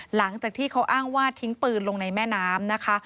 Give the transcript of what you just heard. หลังจากที่เขาอ้างว่าทิ้งปืนลงในแม่น้ำนะคะ